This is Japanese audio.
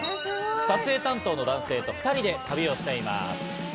撮影担当の男性と２人で旅をしています。